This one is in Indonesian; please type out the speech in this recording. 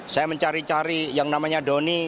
saya mencari cari yang namanya doni